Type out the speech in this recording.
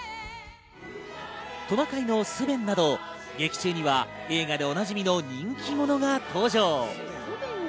トナカイのスヴェンなど、劇中には映画でおなじみの人気者が登場。